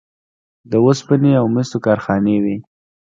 د وسپنې او مسو کارخانې وې